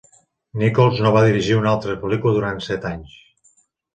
Nicols no va dirigir una altra pel·lícula durant set anys.